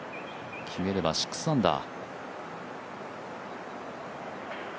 決めれば６アンダー。